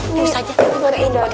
terus aja ini buat ngaduk